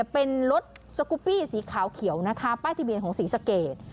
เป็นรถสกุปปี้สีขาวเขียวป้ายที่เบียนของสีสเกด